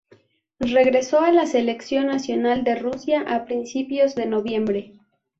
Regresó a la selección nacional de Rusia a principios de noviembre.